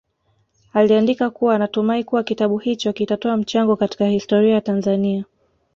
Aliandika kuwa anatumai kuwa kitabu hicho kitatoa mchango katika historia ya Tanzania